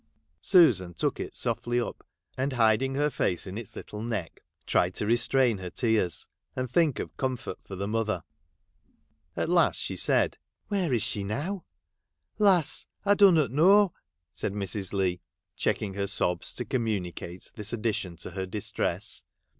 Susan took it softly up, and hiding her face in its little neck, tried to restrain her tears, and think of comfort for the mother. At last she said :' Where is she now ?'' Lass ! I dunnot know,' said Mrs. Leigh, checking her sobs to communicate this addi tion to her distress.